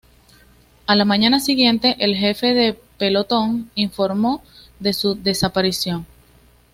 A la mañana siguiente, el jefe de pelotón informó de su desaparición.